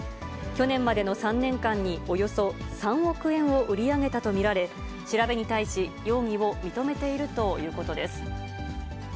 去年までの３年間におよそ３億円を売り上げたと見られ、調べに対し、容疑を認めているということです。